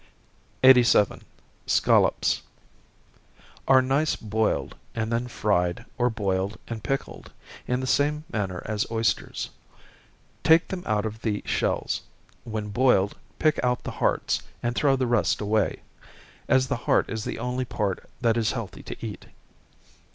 87. Scollops. Are nice boiled, and then fried, or boiled and pickled, in the same manner as oysters. Take them out of the shells when boiled, pick out the hearts, and throw the rest away, as the heart is the only part that is healthy to eat.